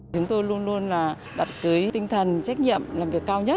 chúng tôi luôn luôn là đặt cượi tinh thần trách nhiệm làm việc cao nhất